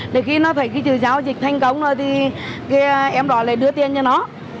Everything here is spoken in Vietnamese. để khi nó thấy cái trừ giao dịch thành công rồi thì em đòi lấy đưa tiền cho nó